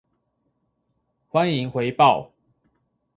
歡迎回報